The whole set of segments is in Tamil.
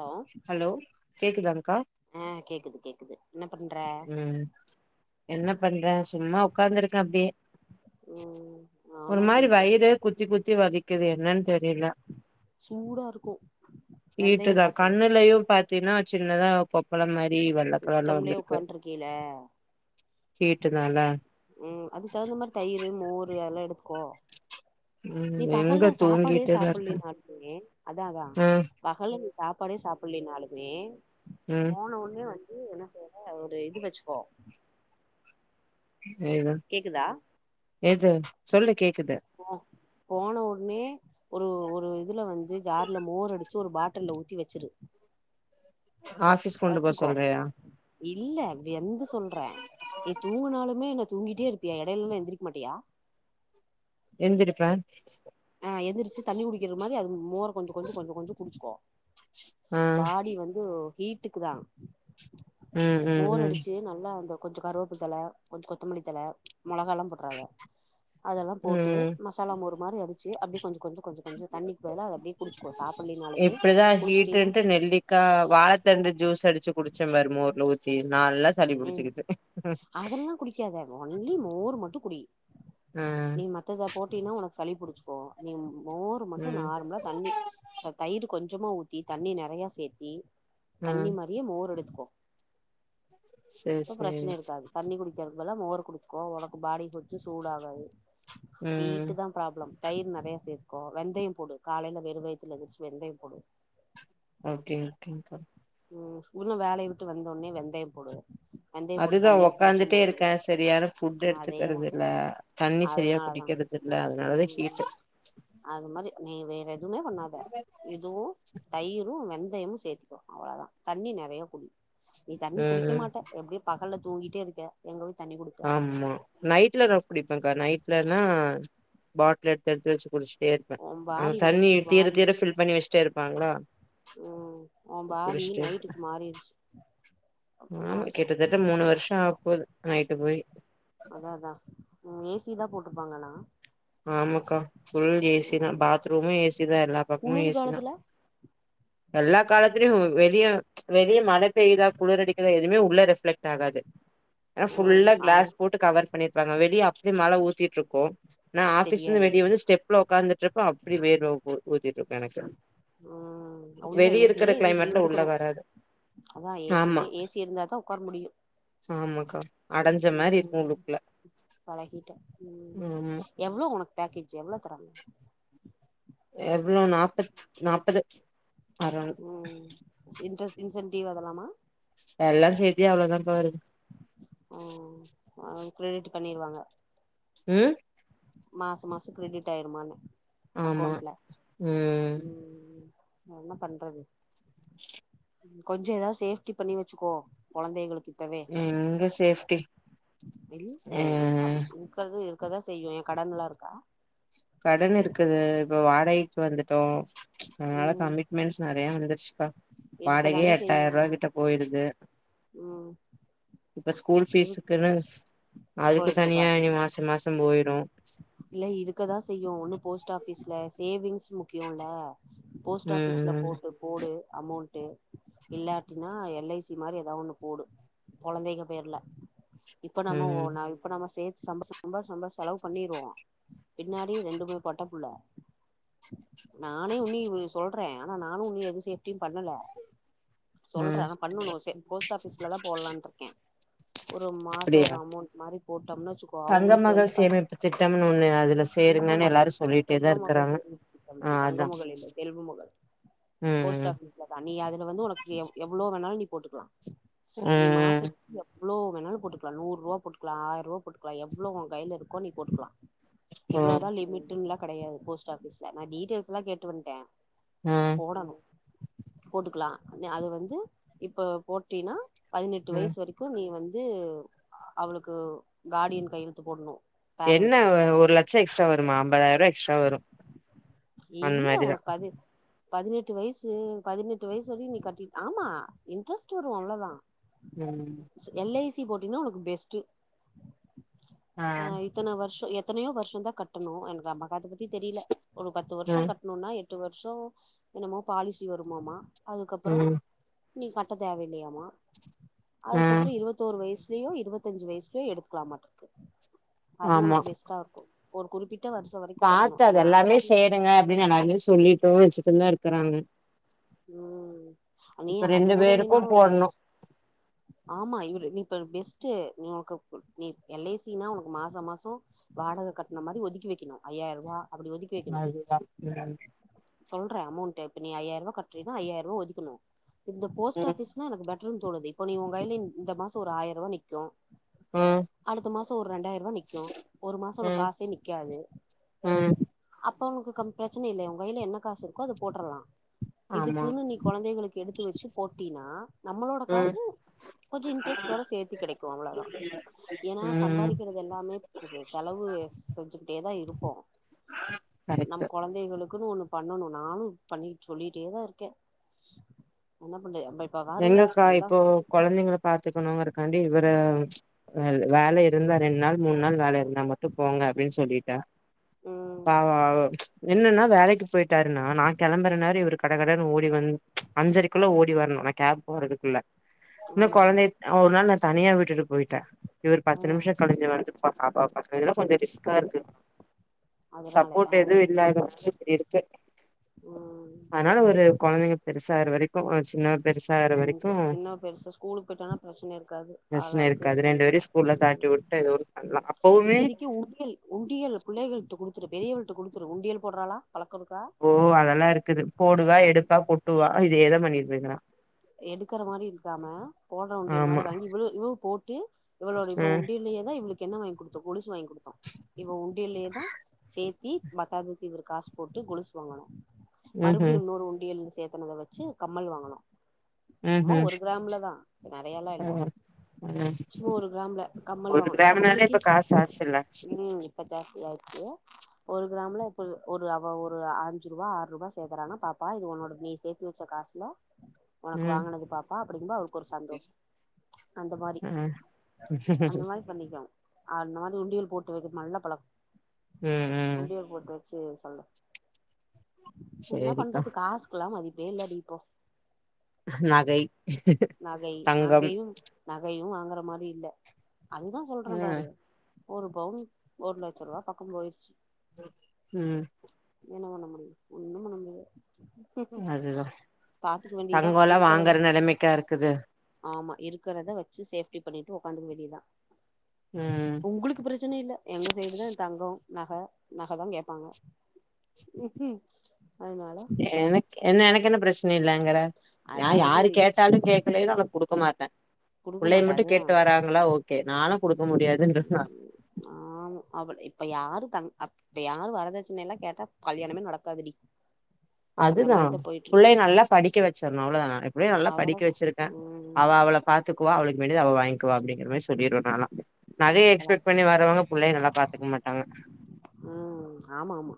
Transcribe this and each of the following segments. ஹலோ ஹலோ கேக்குதாங்க்கா? ஆ கேக்குது கேக்குது என்ன பண்ற ம் என்ன பண்றே சும்மா உக்காந்துருக்கே அப்டியே ம் நானு ஒரு மாரி அப்டியே வயிறு குத்தி குத்தி வலிக்குது என்னன்னு தெரில சூடா இருக்கு வெந்தயோ ஹீட்டுதா சாப்டு கண்ணுலயு பாத்தீன்னா சின்னதா ஒரு கொ ப்பளம் மாரி வெள்ள கலர்ல சிஸ்டம்லயே வந்துருக்கு உக்காண்ட்ருக்கீல ம் அதுக்கு தகுந்த மாரி தயிரு மோ ரு எல்லா எடுத்துக்கோ. ம் நீ எங்க பகல்ல சாப்பாடே தூங்கிட்டேதா இருக்கே சாப்பிடலன்னாலுமே அதா அதா ஆ பகல்ல நீ சாப் ப்பாடே சாப்பிடலன்னாலுமே ம் போனவுட்னே வந் து என்ன செய்யற ஒரு இது வச்சுக்கோ எது? கேக்குதா கேக்குது சொல்லு கேக் போ போன உடனே ஒரு ஒரு இதுல வந்து ஜார்ல மோர் அடிச்சு ஒரு பாட்டல்ல ஊத்தி வச்சிரு ஆஃபீஸ்க்கு கொண்டு போக சொல்றயா? இல்லா எந்த சொல்றே நீ தூங்கனாலுமே எனக் தூங்கிட்டே இருப்பியா எடையலல்லா எந்திரிக்க மாட்டியா எந்திருப்பே ஆ எந்திரிச்சு தண்ணி குடிக்கிற மாதிரி அது மோ மோர் கொஞ்ச கொஞ்ச கொஞ்ச கொஞ்ச குடிச்சுக்கோ ஆ வாடி வந்து வீட்டுக்கு தா ம் ம் போர் ம் அடிச்சு நல்லா வந்த ஓ கொஞ்ச கருவேப்பு தழ கொஞ்ச கொத்தமல்லி தழ மெளகா எல்லா போட்றாத அதெல்லா போட்டு ம் மசாலா மோரு மாரி அடிச் ம் அப்டி கொஞ்ச கொஞ்சம் சாப்புட்லினாலுமே இப்டிதா குடிச்சிட்டினா ஹீட்டுன்ட்டு நெல்லிக்கா வாழத்தண்டு ஜூஸ் அடிச்சு குடிச்சே பாரு மோர்ல ஊத் ஈர் ம் அதெல்லா குடிக்காத ஒன்லி மோரு மட்டு குடி ம் நீ மத்ததா அப் போட்டினா ஓனக்கு சளி புடிச்சுக்கோ நீ ம் ம் மோரு மட்டு ம் நார்மலா தண்ணி ச்ச தயிரு கொஞ்சமா ஊத்தி தண்ணி நெறைய சேத்தி ம் தண்ணி மாரியே மோரு அடிச்சு சேரி இப்ப சேரி பிரச்சன இருக்காது தண்ணி குடிக்கறது இதுவெல்லா மோரு குடிச்சுக்கோ ஓனக்கு பாடி கொத்து சூட ஆகாது ம் ஹீட்டு தா ப்ராப்ளம் தயிர் நெறைய சேத்துகோ வெந்தயம் போடு காலையல வெறு வயித்துல எந்திரிச்சு வெந்தயம் போடு ஓகே ஓகே ம் இன்னு வேலய விட்டு வந்தோவுனே வெந்தய போடுவே வெந்தய போட்டு அதுதா தண்ணிய குடிச்சு ஒக்காந்துட்டே முடிஞ்ச இருக்கே சரியான ஃபுட் அதேதா எடுத்துக்கறது இல்ல தண்ணி சரியா அதனாலதா குடிக்கறது இல்ல அதனாலதா ம் ஹீட்டு அது மாரி நீ வேற எதுமே பண்ணாத இதுவு தயிரு வெந் வெந்தயம் சேத்துக்கோ அவ்ளோ தா தண்ணி நெறைய குடி நீ தண்ணி குடி வைக்க ம் மாட்ட எப்டி பகல்ல தூங்கிட்டே இருக்க எங்க தண்ணி குடிப்ப ஆமா நைட்ல தா குடிப்பேக்கா நைட்லனா பாட்டில் எடுத்து எடுத்து வெச்சு குடிச்சு ஒ பாடி நைட்டுக்கு மாறிடுச்சு ஃபில் பண்ணி வச்சுட்டே இருப்பாங்களா ஒ பாடி குடிச்சுட்டே நைட்டுக்கு மாறிடுச்சு என்ன ஆமா பண்றது கிட்டத்தட்ட மூனு வருஷோ ஆகப்போது போது நைட்டு போய் சீதா போட்ருப்பாங்கண்ணா ஆமாக்கா ஃபுல் ஏசி தா ம் பாத்ரூமு ஏசி தா எல்லா பக்கமு குளிர் ஏசி தா காலத்துல எல்லா காலத்லேயு வெளிய வெளிய மழ பேய்யுதா குளிரடிக்குதா எதுவுமே உள்ள ரிஃப்ளெக்ட் ஆகாது ம் ஃபுல்ல அது கிளாஸ் போட்டு கவர் பண்ணிருப்பாங்க வெளிய அப்டியே மழ ஊத்திட்ருக்கு நா ஆபீஸ்ல இருந்து தெரியாது வெளிய வந்து ஸ்டெப்ல உக்காந்துட்டு இருப்பே அப்டி வேறுவ போ பஊஜட்டுக்க கணக்கு [unintelligible] உம் உள்ள ஏசிலேயே இரு கிளைமேட்ல உள்ள இருந்துக்கணு வராது அதா ஆமா ஏசியிலயே ஏசி இருந்தாதா ஒக்கார முடியு ஆமாக்கா அடஞ்ச மாரி இருக்கு ம் உள்ளுக்குல பழகிட்டே ம் ஆமா எவ்ளோ உனக்கு பேக்கேஜ் எவ்ளோ தராங்க எவ்ளோ நாப்பத் நாப்பது அரௌண்ட் உம் இன்ரஸ் இன்சென்டிவ் அதலாமா எல்லா சேத்தி அவ்ளோதாப்பா வருது ம் ஆ கிரெடிட் பண்ணிருவாங்க உம் [unintelligible] மாச மாச கிரெடிட் ஆயிருமானே ஆமா அக்கௌண்ட்ல ம் உம் என்ன பண்றது [inaudible] கொஞ்சோ ஏதாவது சேஃப்டி பண்ணி வச்சுக்கோ கொழந்தைகளுக்கு ம் எங்க சேப்டி இல்ல இக்க [unintelligible] இருக்கதா செய்யு ஏ கடன்ல்லா இருக்கா கடன் இருக்குது இப்ப வாடகைக்கு வந்துட்டோம் அதனால ம் கமிட்மெண்ட்ஸ் நறையா வந்துருச்சுக்கா வாடகையே இருக்கதாண்டி செய்யு எட்டாயிரூபா கிட்ட போயிடுது ம் இப்ப ஸ்கூல் இரு ஃபீஸ்க்குன்னு அதுக்கு போயிருக்கு தனியா பாதி இனி மாசம் மாசம் போயிடும் இல்ல இருக்கதான் செய்யும் ஒன்னும் போஸ்ட் ஆபிஸ்ல சேவிங்ஸ் முக்கியம் இல்ல போஸ்ட் ஆபிஸ்ல ம் போட்டு போடு அமௌண்ட்டு இல்லாட்டினா எல் ஐ சி மாரி ஏதோ ஒண்ணு போடு கொழந்தைக பேர்ல இப்ப நம்ம ஓ ம் ந இப்ப நம்ம சே சம்ப சம்ப சம்ப செலவு பண்ணிருவோம் பின்னாடி ரெண்டுமே பொட்ட புள்ள நானே உன்னி இவு னை சொல்றேன் ஆனா நானும் உன்னு எது சேப்டியும் பண்ணல சொல்றேன் ம் ஆனா பண்ணணும் ச போஸ்ட் ஆஃபிஸ்லதான் போலான்னு இருக்கேன் ஒரு மாசம் ஒரு அப்டியா அமௌண்ட் மாரி போட்டோம்னு வச்சிக்கோ தங்க அவங்களுக்கு வந்து மகள் பா சேமிப்பு திட்டம்னு ஒண்ணு அதுல செல்வ சேருங்கன்னு மகள் எல்லாரு சொல்லிட்டேதா செல்வ மகள் இருக்கறாங்க ஆ [inaudible] தங்க அதா மகள் இல்ல செல்வ மகள் போஸ்ட் ம் ஆபீஸ்லதா நீ அதுல வந்து ஒனக்கு எவ் எவ்வளோ வேணாலும் நீ போட்டுக்கலாம் ம் நீ ம் மாசத்துக்கு எவ்ளோ எவ்ளோ வேணாலும் போட்டுக்கலா நூறுபா போட்டுக்கலாம் ஆயிரூபா போட்டுக்கலாம் எவ்ளோ ஓ கையில இருக்கோ நீ போட்டுக்கலாம் ஓ இவ்ளோதா லிமிட்னுலா கெடையாது போஸ்ட் ஆபீஸ்ல நான் டீயெய்ல்ஸ்லாம் கேட்டு வன்ட்டன் ம் போடணும் போட்டுக்கலாம் னு அது வந்து இப்ப போட்டினா பதினெட்டு ம் வயசு வரைக்கும் நீ வந் து அவளுக்கு காடியன் கையெழுத்து போடணும் என்ன பேரண்ட்ஸ்ஸு ஒரு லட்சம் எக்ஸ்ட்ரா வருமா ஐம்பதாயிரூபா எக்ஸ்ட்ரா வரும் அந்த இல்ல மாரிதான் உனக்கு பதி பதினெட்டு வயசு பதினெட்டு வயசு வரையும் நீ கட்டி ஆமா இன்ட்ரெஸ்ட்டு வரும் அவ்ளோதா ம் எல் ஐ சி போட்டின்னா ஒனக்கு பெஸ்ட்டு ஆ இத்தன வருஷம் எத் எத்தனையோ வருஷம் தான் கட்டணும் எனக்கு அம்மக அத பத்தி தெரியல ஒரு பத்து வருஷோ ம் கட்ணோனா எட்டு வருஷோ என்னமோ பாலிசி வருமாமா அதுக்கப்றோ ம் நீ கட்ட தேவயில்லயாமா ஆ அதுக்கப்றோ இருபத்தோரு வயசு இதயு இருபத்தஞ்சு வயசுக்கு எடுத்துக்கலாமாட்ருக்கு அதுவு ஆமா உனக்கு பெஸ்ட்டா ஒரு குறிப்பிட்ட வருஷோ வரைக்கு கட்டணு பாத்து எங்க அது எல்லாமே நாத்தனார் சேருங்க அப்டின்னு நாலு பேரு சொல்லிட்டோ வச்சுட்டுந்தா இரு இருக்குறாங்க உம் அண்ணீ அது ரெண்டு கூட பேருக்கு இல்லன்னாலு போடணு பெஸ்ட் ஆமா இவரு நீ இப்ப பெஸ்ட்ட் நீ உனக்கப் நீ எல் ஐ சி னா உனக்கு மாசோ மாசோ வாடக கட்ன மாரி ஒதுக்கி வெக்கணு ஐயாயிர ரூபா அ [unintelligible] சொல்றே அமொண்ட் இப்ப நீ ஐயாயிர ரூபா கட்டுறீனா ஐயாயிர ரூபா ஒதுக்கணு இந்த போஸ்ட் ம் ஆஃபிஸ் னா எனக்கு பெ தோணுது இப்ப நீ உங்கையில இந்த மாசோ ஒரு ஆயிர ரூபா நிக்கு ம் ம் அடுத்த மாசோ ஒரு ரெண்டாயிர ரூபாய் நிக்கு ஒரு மாசோ உனக்கு ம் காசே நிக்காது ம் அப் துக்கு கம் பிரச்சன இல்லயா கைல என்ன காசு இருக்கோ அத போட்ரலா ஆமா இதுக்குன்னு நீ கொழந்தைகளுக்கு எடுத்து வச்சு போட்டினா நம்மளோட ம் காசு கொஞ்ச இன்ட்ரோஸ்டோடா சேத்து கெடைக்கு அவ்ளதா ஏன்னா ம் சம்பாதிக்கிறது எல்லாமே செலவு செஞ்சுக்கிட்டேதா இருக்கு கரெக்ட்டு நம் கொழந்தைகளுக்கு நம்மக்குனு ஒன்னு பண்ணணு நானு பண்ணி சொல்லிட்டே தா இருக்கே பண்றது நம்ம இப்ப பாரு எங்கக்கா எல்லா இப்போ கொழந்தைங்ள பாத்துக்கணுங்ருக்காண்டி இவரு வே வேல இருந்தா ரெண்டு நாள் மூனு நாள் வேல இருந்தா மட்டு போங்க அப்டின்னு சொல்லிட்டா ம் ஆவ அவ என்னன்னா வேலைக்கு போயிட்டாருன்னா நா கெளம்பற நேரோ இவரு கடகடனு ஓடி வந் அஞ்சரைக்குள்ள ஓடி வரணு கேப் போறதுக்குள்ள இன்னு ஆமா ஆமா கொழந்தய ஒரு நாள் நா தனியா விட்டுட்டு போயிட்டே இவர் ஆ பத்து நிமிஷ கழிச்சு வந்து பாத் ஆப்பாப்ப அதனால கொஞ்சோ ரிஸ்கா இருக்கு அதனால சப்போர்ட் ஆ எதுவு இல்லாத சரி இருக்கு ம் அதனால ஒரு கொழந்தைங்க பெருசாக வரைக்கு ஒரு சின்ன பெருசாகுற வரைக்கு சின்ன பெருசு ஸ்கூலுக்கு போயிட்டானா பிரச்சன இருக்காது ஆள பிரச்சன ஆளுக்கு இது இருக்காது ரெண்டு பண்ணிக்கலா பேரையு ஸ்கூல்ல தாட்டி விட்டு ஏதோ ஒன்னு பண்லா அப்பவுமே இப்போதைக்கு உண்டியல் உண்டியல் பிள்ளைகள்ட குடுத்து த்துரு பெரியவல்ட குடுத்துரு உண்டியல் போடறாளா ஓ அதெல்லா இருக்குது போடுவா எடுப்பா கொட்டுவா இதேத பண்ணிட் ரிகரா எடுக்கற மாரி இருக்காம போடற உண்டியல் மாரி ஆமா வாங்கி இவ்ளோ இவ்வ போட் கே இவளோட இவ ம் உண்டலியேதா இவளுக் என்ன வாங்கி குடுத்த கொலுசு வாங் கொடுத்தோ இவ உண்டியிலயே தா சே த்தி பத்தாக்கு இவரு காசு போட்டு கொலுசு வாங்கணு ம் மறுபடியு இன்னூரு உண்டியல் சேத் த்துனல வச்சி கம்மல் வாங்கனு ம் சும்மா ம் ஒரு கிராம்ல தா இ நெறையல்லா இல்ல ம் ம் சும்மா ஒரு கிராம்ல கம்மல் ஒரு வாங்கணு இப்ப கிராம்னாலே அவலுக்கே காசு ஆச்சுல்ல ம் இப்ப ஜாஸ்தியாச்சி ஒரு கிராம்ல இப்ப ஒரு அவ ஒரு அஞ்சு ரூவா ஆறு ரூவா சேர்க்கறானா பாப்பா இது உனோட நீ சேர்த்து வச்ச காசுல உனக்கு ம் வாங்கனது பாப்பா அப்பிடிபோ அவருக்கு ஒரு சந்தோஷோ அந்த மாரி ம் அந்த மாரி பண்ணிக்காங் ஆனாலு உண்டியல் போட்டு வைக்குது நல்ல பழக் ம் ம் சே சொல்லு என்னா சேரிக்கா பண்றது காசுக்கெல்லா மதிப் வேல்லடிப்போ நகை தங்கம் வர மாரி இல்ல அதுதா சொல்றே ம் பாரு ஒரு பவுன் ஒரு லட்சம் ரூவா பக்கம் போயிருச் ம் என்ன பண்ண முடியு ஒன்னும் பண்ண முடியாது அதுதா பாத்துக்க வேண்டியதா தங்கோல்லா இருக்கறத வாங்குற நெலைமைக்கா இருக்குது ஆமா இருக்கிறத வச்சி சே சேஃப்டி பண்ணிட்டு உக்காந்துக்க வேண்டியதா ம் உங்களுக்கு பிரச்சன இல்லை எங்க சைடு தான் தங்கம் நகை நகை தான் கேப்பாங்க அதுனால எனக்கு என்ன எனக்கு என்ன பிரச் சின இல்லங்கிற நா யாரு கேட்டாலும் கேக் அந்த மேரிலா அவனுக்கு குடுக்க மாட்டேன் குடுக்க மாட்டா அதுதா ஓகே நானு குடுக்க முடியாதுன்ற ம் ஆமா அவள் இப்ப யாரு தங் அப் இப்ப யாரு வரதச்சன எல்லா கேட்டா கல்யாணமே நடக்காதுடி அந்த அதுதான் மாரிதா போயிட்ருக்கு புள்ளைய நல்லா படிக்க வச்சிரணும் அவ்ளோதான் ந எப்படியும் நல்லா படிக்க அவ்வளதா வச்சிருக்கேன் ம் அவள் அவள பாத்துப் க்குவா அவளுக்கு வேண்டியது அவ வாங்கிவ அப்டிங்கிற மாரி சொல்லிறனு நாலாம் நகைய அப்பலா எக்ஸ்பெக்ட் பண்ணி வரவங்க புள்ளைய நல்லா பாத்துக்க மாட்டாங்க ம் ஆமா ஆமா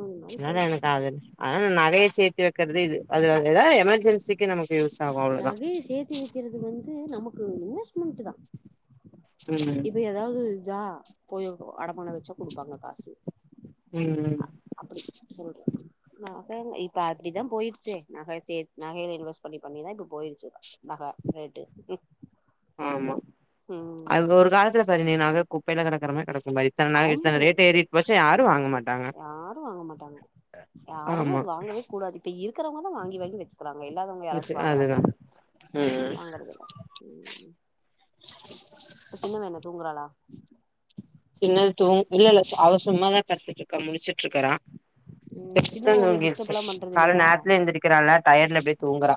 அது மாரி சின்னதான போயிட்ருக்கு காதல் அதனால நகைய ஏத்தி வக்கிறது இது அது அதுதான் எமர்ஜென்சிக் நகைய சேத்து வைக்கிறது வந்து நமக் ம் இன்வெஸ் மென்ட்டு தான் ம் இப்ப எதாவது ஜா போயோ அடமானம் வச்சோ குடுப்பாங்க காசு ம் அப்டி சொல்றேன் நகங்க இப்ப அப்டிதான் போயிருச்சு நகை சே நகையில இன்வெஸ்ட் பண்ணி பண்ணிதான் இப்ப போயிருச்சு நகை ரேட்டு ஆமா ம் அது ஒரு காலத்துல பதினீனாக குப்பைல கடக்கறமாரி கடக் ஆமா வாங்க மாட்டாங்க யாரும் வாங்க மாட்டாங்க யாருமே ஆமா அது வாங்கவே கூடாது இப்ப இருக்கிறவங்க தான் வாங்கி வாங்கி வச்சி கிறாங்க இல்லாதவங்க யாராச்சும் அதுதா வாங்கறாங்கள ம் வாங்கறதுல்ல ம் இப்ப சின்னவ என்னா தூங்கறாளா சின்னது தூங் இல்ல இல்ல அவ சும்மாதா படுத்துட்டு இருக்கா முளிச்சிட்டு இருக்கறா உம் சின்ன மொவ உன்னிய டிஸ்டர்பலாம் பண்றது கால இல்லையா நேரத்துல எந்திரிக்கிறால டயர்ட்ல அப்டியே தூங்குறா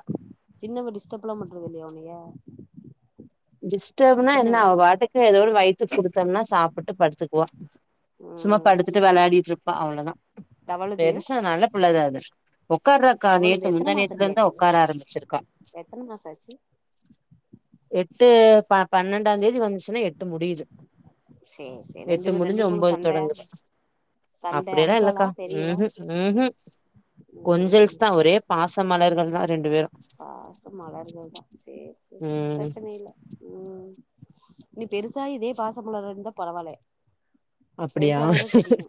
சின்னவ டிஸ்டர்ப்லாம் பண்றது இல்லையா உன்னைய டிஸ்டப்னா என்ன சின்னவ அவ பாட்டுக்கு எதோ ஒன்னு வயித்துக் குடுத்தோம்னா சாப் போட்டு படுத்துக்குவ சும்மா ம் படுத்துட்டு விளையாடிட்டு இருப்பா அவ்வளதா தவழுது பெருசா நல்ல பிள்ளதா அது உட்காரறாக்கா தவழுது நேத்து எத்தன முந்தா நேத்துல மாசண்டி இருந்தா ஆச்சு உக்கார ஆரம்பிச்சிருக்கா எத்தன மாச ஆச்சு எட் ட்டு பன்னெண்டா தேதி வந்து ச்சினா எட்டு முடியுது சேரி சேரி எட்டு ரெண்டு பேர் முடிஞ்சு ரெண்டுக்குள்ள ஒன்பது சண்ட தொடங்குது சண்ட அப்படியெல்லா அடிப்பாளா இல்லக்கா பெரியவ உஹு உஹு ம் கொஞ்சல்ஸ் தா ஒரே பாச மலர்கள் [unintelligible] தா ரெண்டு பேரு பாச மலர்கள் தா சேரி சேரி ம் பிரச்சன இல்ல உ நீ பெருசாயி இதே பாச மலறன்னுந்தா பரவாயில்ல அப்டியா பெருசானதா தெரியு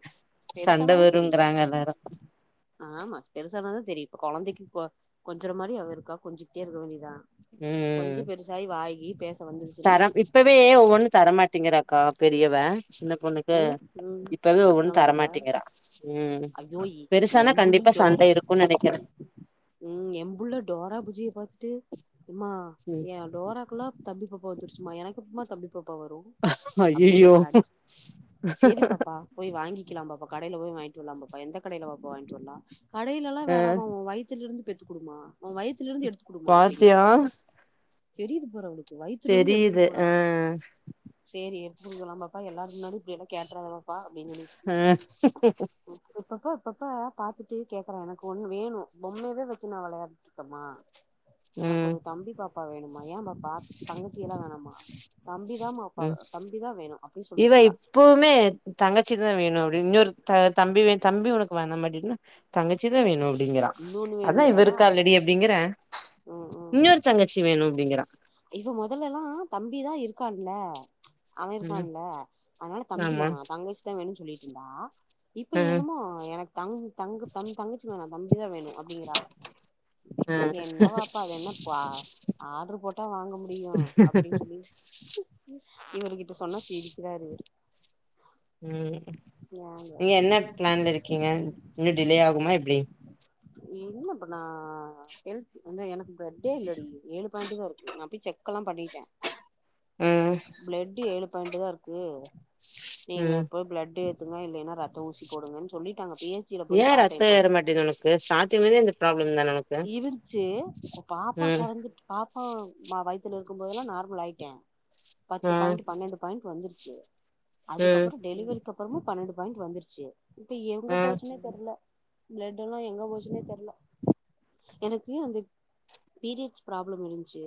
சண்ட பெருசானதா தெரியு வருங்கிறாங்க எல்லாரு ஆமா பெருசானதா தெரியு கொழந்தைக்கு கொஞ்சர மாரி அவ இருக்கா கொஞ்சிக்ட்டே இருக்க வேண்டியதா கொஞ்ச பெருசாயி வாய்கீய் தர இப்பவே ஒன்னு தரமாட்டேங்கிறாக்கா பெரியவ சின்ன பொண்ணுக்கு ம் ம் இப்பவே சொல்ல ஒவ்வொண்ணு மாட்டேங்கிறா தரமாட்டிங்கிறா ஐயோ எ எம்புள்ள சண்ட டோரா இருக்குன் நெனைக்கிறே உ எம்புள்ள டோரா புஜ்ஜிய பாத்துட்டு எம்மா ம் எ டோராக்குலா தம்பிபாப்பா வந்துருச்சுமா எனக்கு எப்பமா தம்பி பாப் பா வரு அப்படினு ஐயையோ கேக்கறாடி சேரி பாப்பா போய் வாங்கிக்கலா பாப்பா கடைல போய் வாங் போலா பாப்பா எந்த கடையில பாப்பா வாங்கிட்டு வர்லா கடையிலலா ஆ வேனாஉ வயித்திலருந்து பெத்து குடுமா உ வயத்துல இருந்து எடுத்து குடுமா அப்டிங்கிறா பாத்தியா தெரியது பாரு அவளுக் தெரியுது ஆ புடுங்கலா பாப்பா எல்லாரு முன்னாடியு இப்டியல்லா கேட்டுறாத பாப்பா அப்டின்னு சொல்லிட்டு ஆ இப்பப்ப இப்பப்ப பாத்துட்டு கேக்குறா எனக்கு ஒண்ணு வேணு பொம்மயவே வச்சு நா விளையாடிட்டு இருக்கேமா ச் எனக் ம் ஒரு தம்பி பாப் ப்பா வேணுமா ஏ பாப்பா தங்கச்சியெல்லா வேணாமா தம்பிதா பாப்பா ம் தம்பிதா வேணு அப்டி இவ சொல்லிருக்கா இப்பவுமே தங்கச்சிதா வேணு அப்டி இன்னொரு த தம்பி வே தம்பி உனக்கு வேணாமாடின்ன தங்கச்சி தா வேணு அப்டிங்கறா இன்னொன்னு அதா இவ வேணுங்கிறாளா இருக்காலடி அப்டிங்கரன் ம் ம் இன்னொரு தங்கச்சி வேணு அப்டிங்கிறா இவ முதல்ல எல்லா தம்பிதா இருக்கான்ல அவ ம் இருக்கான்ல அதனால தம்பி ஆமா வேணா தங்கச்சி தா வேணும்னு சொல்லிட்டு இருந்தா இப்ப ஆ என்னுமோ எனக்கு த த தங்கச்சி வேணா தம்பி தா வேணு அப்டிங்கறா ஆ என்ன பாப்பா அது என்ன ஆட்ரு போட் வாங்க முடியு அப்டின்னு சொல்லி இவங்ககிட்ட சொன்ன சிரி ம் ஏங்க நீங்க என்ன பிளான்ல இருக்கீங்க இன்னு டிலே ஆகுமா எப்டி என்ன இப்பனா ஹெல்த் வ எனக்கு பிளட்டே இல்லடி ஏழு பாயிண்ட்டு தா இருக்கு செக் எல்லா பண்ணிட்டே ம் பிளட்டு ஏழு பாயிண்ட்டுதா இருக்கு நீங்க ம் போய் பிளட் ஏத் ஏதுங்க இல்லலைன்னா ரத்த ஊசி போடுங்கனு சொல்லிட்டாங்க பி ஹெச் டி ல ஏ போய் பாத்தே ரத்தம் இப்ப ஏற மாட்டேது உனக்கு ஸ்டார்டிங்ல இந்த ப்ராப்ளம் தான உனக்கு இருந்துச்சு ம் மா வய்த்துல இருக்கும்போதெல்லா நார்மல் ஆயிட்டே பத்து ஆ பாயிண்ட் பன்னெண்டு பாயிண்ட் வந்துருச் ச்சு ம் அதுக்கப்புறோ டெலிவரிக்கு அப்புறமு பன்னெண்டு பாயின்ட்டு வந்துருச்சு இப்ப எங்க ஆ போச்சுன்னே தெர்ல பிளட் எல்லா எங்க போச்சுன்னே தெர்ல எனக்கு அந்த பீரியட்ஸ் ப்ராப்ளம் இருந்